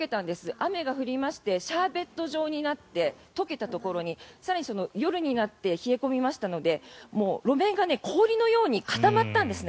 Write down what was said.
雨が降りましてシャーベット状になって解けたところに更に夜になって冷え込みましたので路面が氷のように固まったんですね。